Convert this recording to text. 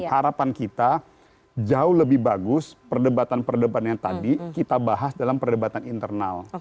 harapan kita jauh lebih bagus perdebatan perdebatan yang tadi kita bahas dalam perdebatan internal